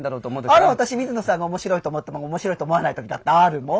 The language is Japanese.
あら私水野さんが面白いと思ったものが面白いと思わない時だってあるもん。